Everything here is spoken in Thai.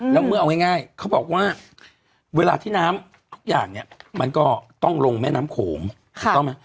แล้วเมื่อเอาง่ายเขาบอกว่าเวลาที่น้ำทุกอย่างมันก็ต้องลงแม่น้ำโขม